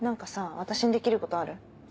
私にできることある？